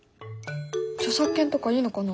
著作権とかいいのかな？